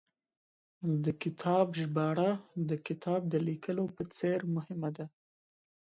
د کتاب ژباړه، د کتاب د لیکلو په څېر مهمه ده